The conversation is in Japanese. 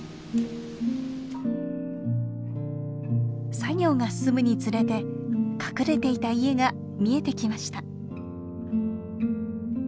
作業が進むにつれて隠れていた家が見えてきました。